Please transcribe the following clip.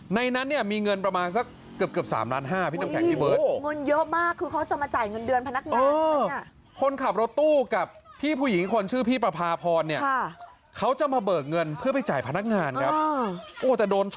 ในนั้นมีเงินประมาณเกือบ๓๕ล้านบาท